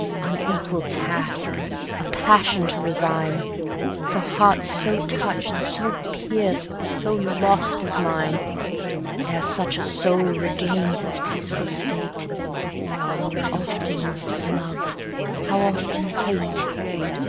Unequal task! a passion to resign, For hearts so touch'd, so pierced, so lost as mine. Ere such a soul regains its peaceful state, How often must it love, how often hate!